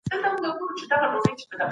که واقعیتونه سم بیان سي نو ستونزه حلیږي.